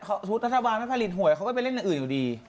สมมุติรัฐบาลไม่ผลิตหวยเขาก็ไปเล่นอย่างอื่นอยู่ดี